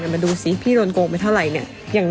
มาดูสิพี่โดนโกงไปเท่าไหร่เนี่ย